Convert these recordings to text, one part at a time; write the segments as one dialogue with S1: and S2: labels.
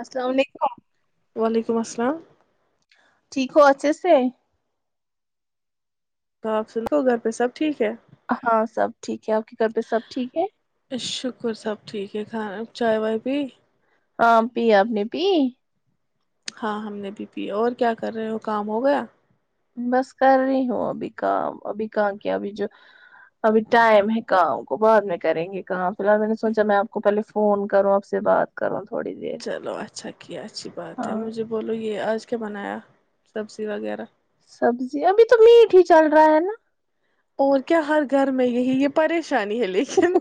S1: السلام علیکم
S2: وعلیکم السلام [unintelligible]
S1: ٹھیک ہو اچ سے [unintelligible]
S2: صاف سن کرو گھر پہ سب [unintelligible]
S1: ہاں سب ٹھیک ہے آپ کے گھر پہ سب ٹھیک ہے
S2: شکر سب ٹھیک ہے کھانا چائے وائے پی
S1: ہاں پی آپنی پی
S2: ہاں ہم نے بھی پی اور کیا کر رہے ہو کام ہو گیا
S1: بس کر رہی ہوں ابھی کام ابھی کہاں کیا ابھی جو ابھی ٹائم ہے کام کو بعد میں کریں گے کام فی الحال میں نے سوچا میں آپ کو پہلے فون کروں آپ سے بات کروں تھوڑی دیر
S2: چلو اچھا ہے اچھی بات ہے
S1: ہاں
S2: مجھے بولو یہ آج اسچ کے بنایا سبزی وغیرہ
S1: سبزی ابھی تو میٹ ہی چل رہا ہے نا
S2: اور کیا ہر گھر میں یہی یہ پریش شانی ہے لیکن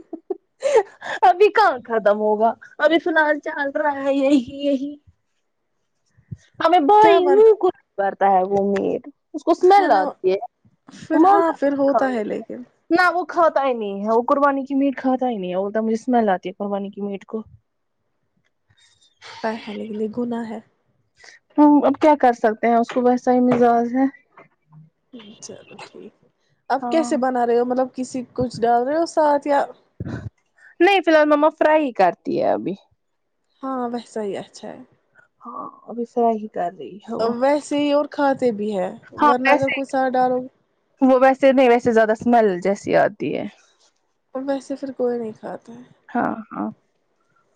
S1: ک ختم ہوگا ابھی فی الحال چل رہا ہے یہی یہی [unintelligible] ہمیں
S2: کیا
S1: بائی
S2: بن
S1: کر تا ہے وہ مد اس کو
S2: ہے
S1: اسمیل
S2: نا
S1: آتی
S2: پھر ہاں پھر
S1: ہے
S2: ہوتا ہے لیکن
S1: نہ وہ کھاتا ہی نہیں ہے وہ قربانی کی میٹ کھاتا ہی نہیں ہے بولتا مجھے اسمیل آتی ہے قربانی کی میٹ کو
S2: ہے لیکن یہ گنا ہے
S1: اب کیا کر سکتے ہیں اس کو ویسا ہی مزاج ہے
S2: چلو ٹھیک ہے آپ
S1: ہاں
S2: کیسے بنا رہے ہو مطلب کسی کچھ ڈال رہے ہو ساتھ یا
S1: نہیں فی الحال مما فرائی ہی کرتی ہے ابھی
S2: ہاں ویسا ہی اچھا ہے
S1: ہاں ابسر ہی کر رہی ہے وہ
S2: ویسے ہی اور کھاتے بھی ہے
S1: ہاں
S2: ورنہ اگر
S1: ویسے
S2: کوئی سات ڈالو گے
S1: وہ ویسے نہیں ویسے زیادہ اسمل جیسی آتی ہے
S2: اور ویسے پھر کوئی نہیں کھاتا
S1: ہاں ہاں
S2: ہے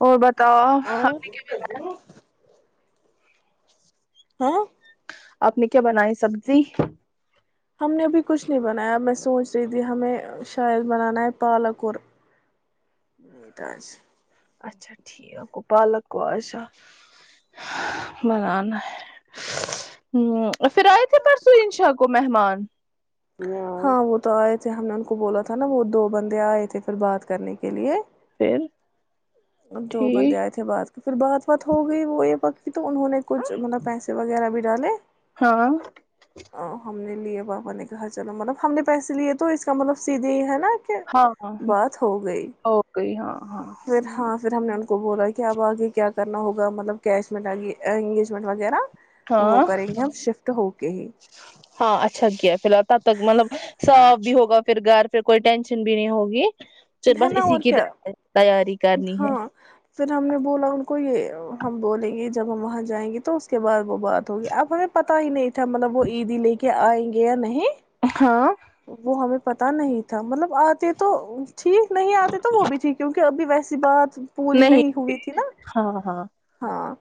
S1: اور بات
S2: اور ہاں
S1: آپ نے کیا بنائی سبزی
S2: ہم نے ابھی کچھ نہیں بنایا اب میں سوچ رہی تھی ہمیں شاید بنانا ہے پالک اور میٹ
S1: اچھا ٹھیک گ پالک کو آشا بنانا ہے پھر آئے تھے پرسوں ان شاہ کو مہمان
S2: ہاں وہ تو آئے تھے ہم نے ان کو بولا تھا نا وہ دو بندے آئے تھے پھر بات کرنے کے لیے
S1: پھر
S2: دو بندے
S1: ٹھیک
S2: آئے تھے بات کے پھر بات بات ہو گئی وہ یہ کہ تو انہوں نے کچھ مطلب پیسے وغیرہ بھی ڈالے
S1: ہاں
S2: ہم نے لیے بابا نے کہا چلو مطلب ہم نے پیسے لیے تو اس کا مطلب سیدھے ہی ہے نا کہ
S1: ہاں ہاں
S2: بات ہو گئی
S1: ہو گئی ہاں
S2: پھر
S1: ہاںی
S2: ہاں پھر ہم نے ان کو بولا کہ اب آگے کیا کرنا ہوگا مطلب کیش میں انگیجمنٹ وغیرہ وہ
S1: ہاں
S2: کریں گے ہم شفٹ ہو کے ہی
S1: ہاں اچھا کیا ہے فی الحال تد تک مطلب صاف بھی ہو پھر گھر پھر کوئی ٹینشن بھی نہیں ہوگی پھر
S2: ہے
S1: بس
S2: نا
S1: اسی
S2: اور
S1: کی
S2: کیا
S1: تیاری کرنی ہے
S2: ہاں پھر ہم نے بولا ان کو یہ ہم بولیں گے جب ہم وہاں جائیں گے تو تو اس کے بعد وہ بات ہوگی اب ہمیں پت ہی نہیں تھا ملب وہ عیدی نہیں کے کیا آئیں گے یا نہیں
S1: ہاں
S2: وہ ہمیں پتا نہیں تھا مطلب آتے تو ٹھیک نہیں آتے تو وہ بھی تھی کیک ابھی ویسے اسی بات پوری نہیں ہوئی تھی نا
S1: ہاں ہاں
S2: ہاں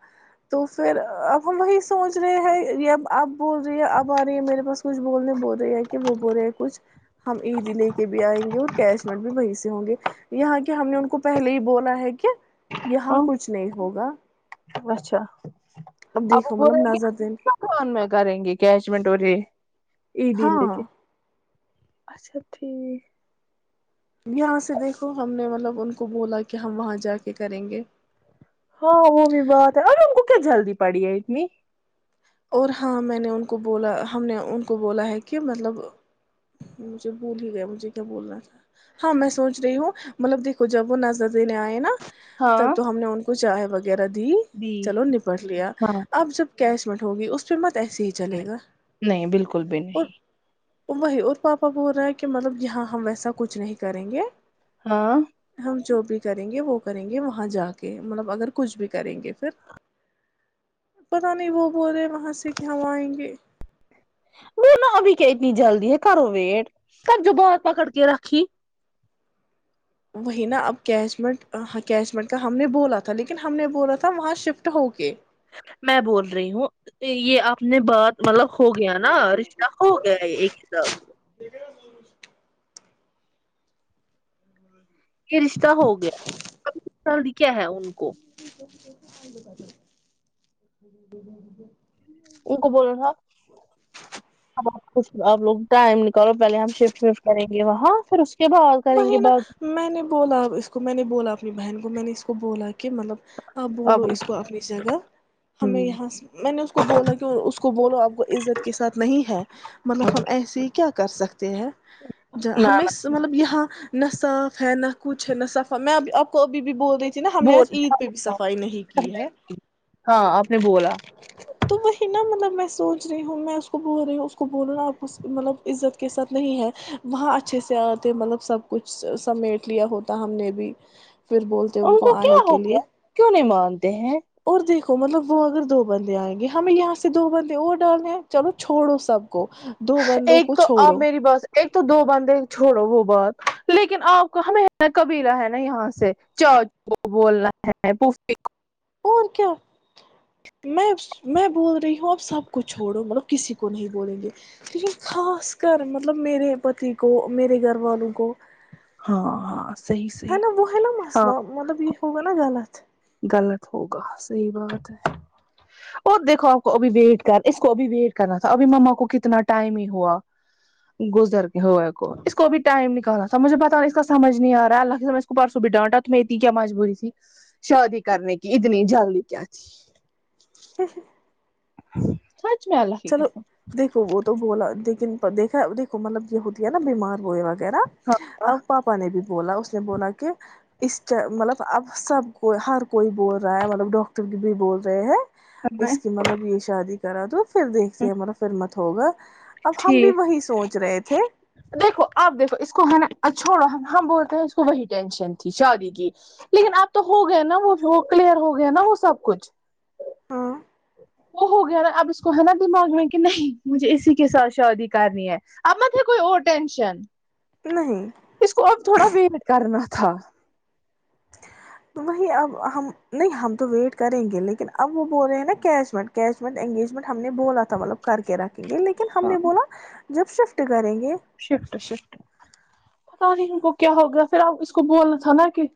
S2: تو پھر اب ہم وہی سوچ رہے ہیں یہ اب اب بول رہی ہے اب آ رہی ہے میرے پاس کچھ بولنے بول رہی ہے کہ وہ بول رہے ہیں کچھ ہم عیدی لے کے بھی آئیں گے اور کیش میں ہوں گے یہاں کے ہم نے ان کو پہلے ہی بولا ہے کہ یہاں کچھ نہیں ہوگا
S1: اچھا اب
S2: دیکھو
S1: وہ ب
S2: مطلب نظر دین
S1: رہےکان میں کریں گے کیچ مٹوری یہ د لے کے
S2: ہاں
S1: اچھا ٹھ
S2: یہاں سے دیکھو ہم نے مطلب ان کو بولا کہ ہم وہاں جا کے کریں گے
S1: ہاں وہ بھی بات ہے ارے ہم کو کیا جلدی پڑی ہے اتنی
S2: اور ہاں میں نے ان کو بولا ہم نے ان کو بولا ہے کہ مطلب مجھے بھول ہی گیا مجھے کیا بولنا تھا ہاں میں سوچ رہی ہوں مطلب دھو جا وہ نظر دینے آئے نا تب
S1: ہاں
S2: تو ہم نے ان کو کوچ چاہے ب وغیرہ دی چلو نپٹ لیا
S1: ہاں
S2: آپ جب کیش ہوگی اس پہ مت
S1: نہیں نہیں بالکل بھی
S2: اور
S1: نہیں
S2: وہی اور پاپا بول رہا ہے کہ مطلب یہاں ہم ویسا کچھ نہیں کریں گے
S1: ہاں
S2: ہم جو بھی کریں گے وہ کریں گے وہاں جا کے مطلب اگر کچھ بھی کریں گے پھر پت نہیں وہ پورے س ہی ہموائیں گے
S1: ب نو ابھی کیا اتنی جلدی ہے کرو ویٹ سب جو بات پکڑ کے رکھی
S2: وہی نا اب کیش مٹ ہ کیش مٹ کا ہم نے بولا تھا لیکن ہم نے بولا تھا وہاں شفٹ ہو کے
S1: میں بول رہی ہوں یہ آپ نے بات مطلب ہو گیا نا رشتہ ہو گیا ہے ایک حساب سے یہ رشتہ ہو گیا سال دکھیا ہے ان کو
S2: [unintelligible]
S1: ان کو بولو ن ہم آپ لگ ٹائم نکالو پہے ہم شفٹ وفٹ کریں گے وہاں پھر اس کو
S2: وہی نا میں نے بولا اپ اس کو میں نے بولا اپنی بہن کو میں نے اس کو بولا کہ کہ مطلب آپ بولو
S1: اب
S2: اس کو اپنی جگہ ہمیں یہاں
S1: نہ
S2: میں نے اس کو بولا کہ اس کو بولو آپ کو عزت کے ساتھ نہیں ہے مطلب ہم ایسے ہی کیا کر سکتے [unintelligible] ہے ج ہمیں
S1: نہ
S2: مطلب یہ [unintelligible] نہ صاف ہے نہ کچھ ہے نہ صافا میں آپ کو ابھی بھی بول رہ [unintelligible]
S1: بول
S2: کی ہے
S1: ہاں آپ نے بولا [unintelligible]
S2: تو وہی نا مطلب [unintelligible] میں سوچ رہی ہوں میں اس کو بول رہی ہوں اس کو بول نا آپ کو مطلب عزت کے ساتھ نہیں ہے وہاں اچھے سے آتے مطلب سب کچھ سمیٹ لیا ہوتا ہم نے بھی [unintelligible]
S1: ان کو کیا
S2: آنے
S1: ہو
S2: کے لیے
S1: گیا کیوں نہیں مانتے ہیں [unintelligible]
S2: اور دیکھو مطلب وہ اگر د [unintelligible] بندے آئیں گے ہمیں یہاں سے دو بندے اور ڈالنے ہیں چلو چھوڑو سب [unintelligible] دو بندوں کو
S1: ایک تو آپ
S2: چھوڑو [unintelligible]
S1: میری بات ایک تو دو بندے چھوڑو وہ بات لیکن آپ کو ہش ن قبیلہ ہے نا یہاں سے چاج کو بولنا ہے پف کو [unintelligible]
S2: اور کیا میں میں بول رہی ہوں اب سب کو چھوڑو مطلب کسی کو نہیں بولیں گے لیکن خاص کر مطلب میرے پتی کو میرے گھر والوں کو
S1: ہاں ہاں صحیح
S2: [unintelligible]
S1: صحیح
S2: ہی نا وہ ہے نا
S1: ہاں
S2: مسلہلہ مطلب یہ ہوگ نا غلط [unintelligible]
S1: غلط ہوگا صحیح بات ہے اور دیکھو آپ کو ابھی ویٹ کر اس کو ابھی ویٹ کرنا تھا ابھی مما کو کتنا ٹائم ہی ہوا گزر کے ہوئے کو اس کو ا ٹائم نکالنا تھا مجھے پتا اس کا سمج نہیں آ رہا ہے اللہ س اس کو پرسوں بھی ڈانٹا ت میںہ اتنی کیا مجبوری تھی [unintelligible] شادی کرنے کی اتنی جلدی کیا تھی [unintelligible]
S2: ہ [unintelligible]
S1: ہ [inaudible]
S2: چلو دیکھو وہ تو بولا لیکن [unintelligible] دیکھا دیکھو مطلب یہ ہوتی ہے نا بیمار وہ [unintelligible] و نا اب
S1: ہاں
S2: پاپا نے بھی بولا اس نے بولا کہ [unintelligible] اس مطلب اب سب کو ہر کوئی بول رہا ہے مطلب ڈاکٹر بھی بول رہے ہیں [unintelligible] اس کی مطلب یہ شادی [unintelligible] را تو [unintelligible] پھر دیکھتے م فھر [unintelligible] ہوگا [unintelligible] اب ہم بھی
S1: ٹھیک
S2: وہی سوچ رہے تھے [unintelligible]
S1: دیکھو آپ دیکھو اس کو ہم نے چھوڑا ہم بولتے ہیں اس کو وہی ٹینشن تھی شادی کی لیکن اب تو ہو گیا نا وہ کلیئر ہو گیا نا وہ سب کچھ [unintelligible]
S2: ہاں
S1: وہ ہو گیا نا اب اس کو ہے نا دماغ میں کہ نہیں مجھے اسی کے ساتھ شادادی کرنی ہے اب مت ہے کوئی اور ٹینشن
S2: نہیں
S1: [unintelligible] اس کو اب تھوڑا ویٹ کرنا [unintelligible] تھا [unintelligible]
S2: تو وہی اب ہم نہیں ہم تو ویٹ کریں گے لیکن اب وہ بول رہے ہیں نا کیش مٹ کیش مٹ انگیجمنٹ [unintelligible] ہم نے بولا تھا مطلب کر کے رکھیں گے لیکن ہم
S1: ہاں
S2: نے بولا [unintelligible] جب شفٹ کریں گے [unintelligible]
S1: شفٹ شفٹ [unintelligible] پت نہیں ان کو کیا ہو گیا پھر آپ اس کو بولنا تھا نا کہ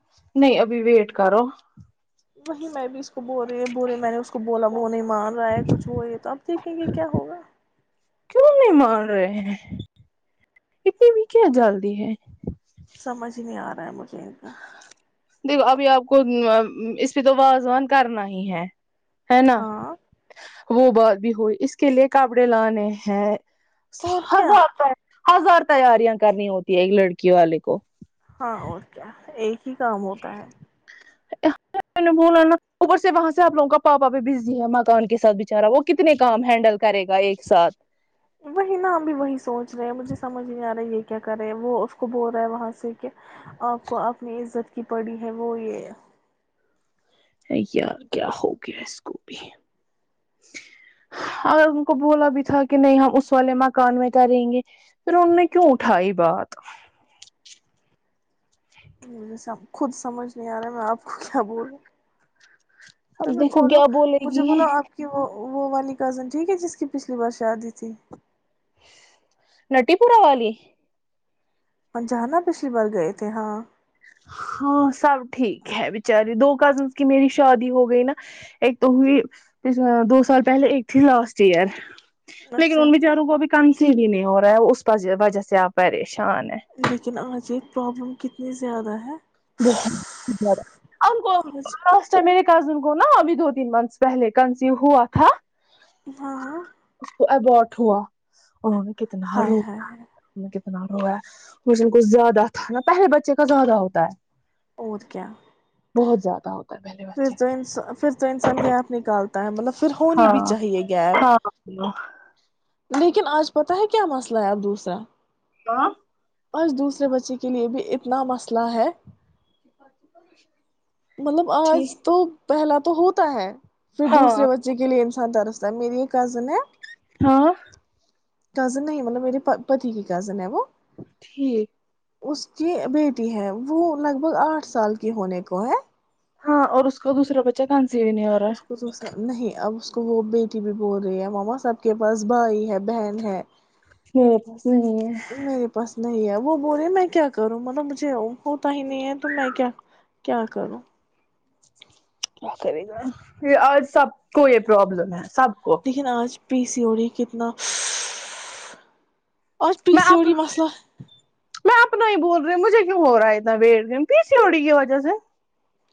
S1: نہیں ابھی ویٹ کرو [unintelligible]
S2: وہی میں بھی اس کو بول رہی ب رہے میں نے اس کو بولا وہ نہیں مار رہا ہے کچھ وہ یہ تو آپ دیکھیں گے کیا ہوگا
S1: کیوں نہیں مار رہے ہیں اتنی بھییکزلدی ہے
S2: سمجھ نہیں آ رہا ہے مجھے ان کا
S1: دیکھو ابھی آپ کو اس پہ تو وازوان کرنا ہی ہے ہے نا
S2: ہاں
S1: وہ بات بھی ہوئی اس کے لیے کپڑے لانے ہیں
S2: اور کیا
S1: ہزارتا ہے ہزار تیاریاں کرنی ہوتی ہے ایک لڑکی والے کو
S2: ہاں اور کیا ایک ہی کام ہوتا ہے
S1: ب نا اوپر سے وہاں سے آپ لوگوں کا پاپا بھی بزی ہے مکان کے ساتھ بچارہ وہ کتنے کام ہینڈل کرے گا ایک ساتھ
S2: وہی نا ہم بھی وہی سوچ رہے ہیں مجھے سمجھ نہیں آ رہا ہے یہ کیا کرے وہ اس کو بول رہا ہے وہاں سے کہ آپ کو اپپنی عزت کی پڑی ہے وہ یہ
S1: یار کیا ہو گیا اس کو بھی اگر ان کو بولا بھی تھا کہ نہیں ہم اس والے مکان میں کر رہیں گے پھر ان نے کیوں اٹھائی بات
S2: جیسے خود سمجھ نہیں آ رہے میں آپ کیا بولے
S1: اب
S2: چلو چھو
S1: دیکھو
S2: لو
S1: کیا بولے
S2: مجھے
S1: گی
S2: بناو آپ کی وہ وہ والی کزن ٹھیک ہے جس کی پچھلی بار شادی تھی
S1: نٹی پورا والی
S2: ہ جانا پچھلی بار گئے تھے ہاں
S1: ہاں سب ٹھیک ہے بیچاری دو کزنس کی میری شادی ہو گئی نا ایک تو ہوئی دو سال پہلے ایک تھی لاسٹ ایئر لیکن
S2: اچھا
S1: ان بچاروں کو ابھی کانسی بھی نے ہو رہا ہے اس وجہ سے آپ پریشان ہے
S2: لیکن آج یہ پرابلم کتنی زیادہ ہے
S1: بہت زیادہ ہم کو
S2: آج
S1: لسٹ میر کزن کو نا ابھی دو تین منتھس پہلے کنسیو ہوا تھا
S2: ہاں ہاں
S1: ابوٹ ہوا ا ہم کتنا ہ
S2: ہائے
S1: رو
S2: ہائے
S1: ہے ک کچھ زیادہ تھا نا پہلے بچے کا زیادہ ہوتا ہے
S2: اور کیا
S1: بہت زیادہ ہوتا ہے پہلے
S2: پھر
S1: بچے
S2: تو انسان پھر تو انسان گیپ نکالتا ہے مطلب پھر ہونی بھی
S1: ہاں
S2: چاہیے گیپ
S1: [unintelligible]
S2: لیکن آج پتاہ ہے کیا مسئلہ ہے آب دوسرا
S1: آ
S2: بج دوسرے بچے کے لیے بھی اتنا مسئلہ ہے مطلب
S1: ٹھیک
S2: آج تو پہلا تو ہوتا ہے پھر
S1: ہاں
S2: دوسر بچے کے لیے [unintelligible] درستتا ہے میری یہ کزن ہے [unintelligible]
S1: ہاں [unintelligible]
S2: کزن نہیں مطلب میرے پتی کی کزن ہے وہ [unintelligible]
S1: ٹھیک [unintelligible]
S2: اس کی بیٹی ہے وہ لگ بھگ آٹھ سال کی ہونے کو ہے [unintelligible]
S1: ہاں اور اس کو دوسرا بچہ کان [unintelligible]
S2: اس نہیں آب [unintelligible] وہ بیٹی بھی بول رہی ہے ماما سب کے پاس بھائی ہے [unintelligible] ہے
S1: میرے پس نہیں ہے [unintelligible]
S2: میرے پاس نہیں ہے وہ بوللیے میں کیا کروں مطلب مجھے ہوتا ہی نہیں ہے تو میں کیا کیا کروں [unintelligible]
S1: ایسے بھی اور سب کو یہ پرابلم ہے [unintelligible]
S2: لیکن آج [unintelligible] پی سی اوڑی کرتنا [unintelligible]
S1: میں اپنا میں اپنا ہی بول رہ [unintelligible] مجھے کیوں ہو رہا ہے اتنا ویٹ گ پیسی ہوڑی کی وجہ سے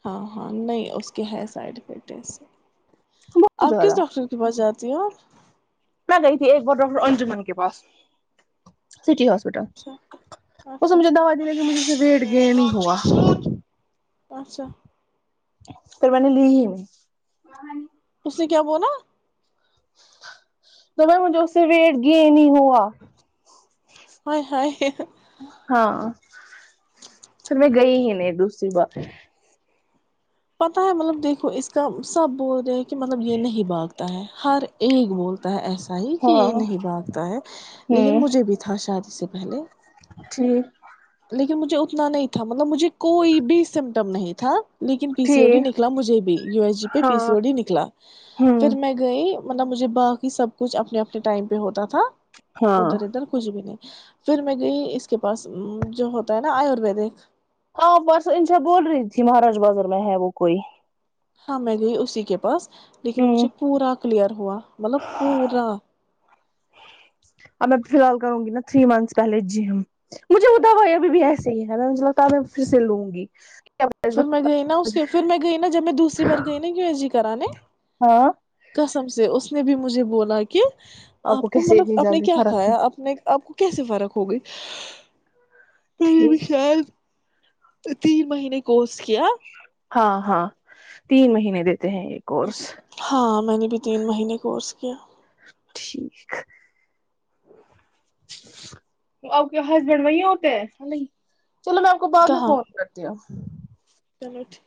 S2: ہاں ہاں نہیں اس کے ہے سائڈ افیکٹ ایسے
S1: بہت
S2: آپ کس
S1: زیادہ
S2: ڈاکٹر کے پاس جات رہے جی ہ
S1: میں گئی تھی ایک بار ڈاکٹر انجمن کے پاس سٹی ہاسپٹل
S2: اچھا
S1: اس میں
S2: اچھا
S1: مجھے دوا د دیا کہ مجھے سے ویٹ گین ہی ہوا
S2: اچھا
S1: پھر میں نے لی ہی میں
S2: اسے کیا بولا
S1: تو میں مجھے اس سے ویٹ گے نہیں ہی ہوا
S2: ہ ہ
S1: ہاں پھر میں گئی ہی نہیں دوسری بار
S2: پتا ہے مطلب دیکھو اس کا سب بول رہے ہیں کہ مطلب یہ نہیں بھاگتا ہے ہر ایک بولتا ہے ایسا ہی کہ
S1: ہاں
S2: یہ نہیں بھاگتا ہے لیکن مجھے بھی تھا شاید اس سے پہلے
S1: جٹی
S2: لیکن مجھے اتنا نہیں تھا مطلب مجھے کوئی بھی سمٹم نہیں تھا لیکن پی سی او ڈی
S1: ٹھیک
S2: نکلا مجھے بھی یو ایس جی پہ
S1: ہاں
S2: پی س او ڈی نکلا
S1: ہوں
S2: پھر میں گئی مطلب مجھے باقی سب کچھ اپنے اپنے ٹائم پہ ہوتا تھا
S1: ہاں
S2: ادھر ادھر کچھ بھی نہیں پھر میں گئی اس کے پاس جو ہوتا ہے نا آیورویدک
S1: ہاں پرس انشا بول رہی تھی مہاراج بازار میں ہے وہ کوئی
S2: ہاں میں گئی اسی کے پاس لیکن
S1: ہوں
S2: مجھے پورا کلیئر ہوا مطلب پورا
S1: اب میں فی الحال کروں گی نا تھری منتھس پہلے جم مجھے بدا وہ ابھی بھی ایسے ہی ہے میں مجھے لگتا ہے میں پھر سے لوں گی
S2: پھر میں گئی نا اس کے پھر میں گئی نا جب میں دوسری بار گئی نا کیوں ای جی کراان
S1: ہاں
S2: سے اس نے بھی مجھے بولا کہ آپ کو
S1: کیسے
S2: مطلب
S1: اتنی
S2: آپ نے
S1: جلدی
S2: کیا
S1: فرق ہے
S2: کھایا آپ نے آپ کو کیسے فرق ہوگئی مری بھی
S1: ٹھیک
S2: شید تین مہینے کورس کیا
S1: ہاں ہاں تین مہینے د ہیں یہ کورس
S2: ہاں میں نے بھی تین مہینے کورس کیا
S1: ٹھیک ا کے ہسبینڈ وہی ہوتے نہیں چلو میں آپ کو بعد میں
S2: کہاں
S1: فون کرتی ہوں
S2: چلو ٹھیک